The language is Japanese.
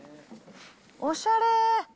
おしゃれ。